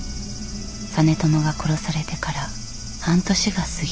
実朝が殺されてから半年が過ぎている。